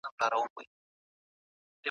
حکومتونو د وروسته پاته والي علتونه وموندل.